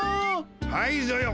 はいぞよ。